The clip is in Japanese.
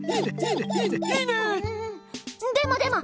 でもでも！